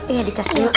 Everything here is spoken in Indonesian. iya di charge dulu